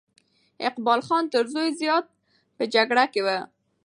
اقبال خان تر زوی زیات په جګړه کې وو.